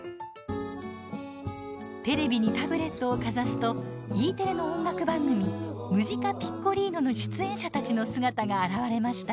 テレビにタブレットをかざすとＥテレの音楽番組「ムジカ・ピッコリーノ」の出演者たちの姿が現れました。